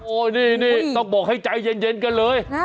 โอ้โหนี่ต้องบอกให้ใจเย็นกันเลย